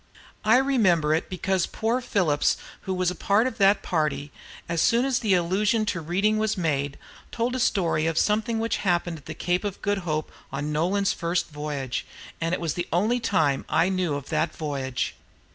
I remember it, because poor Phillips, who was of the party, as soon as the allusion to reading was made, told a story of something which happened at the Cape of Good Hope on Nolan's first voyage; and it is the only thing I ever knew of that voyage.